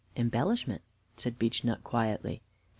"Embellishment," said Beechnut quietly.